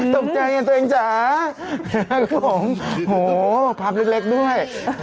ตกใจอย่างตัวเองจ๋าครับผมโอ้โฮภาพเล็กด้วย